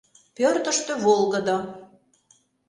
Пӧртыштӧ волгыдо.